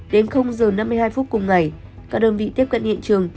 đến giờ năm mươi hai phút cùng ngày các đơn vị tiếp cận hiện trường